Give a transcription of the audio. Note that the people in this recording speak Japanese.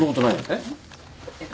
えっ？